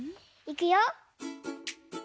いくよ。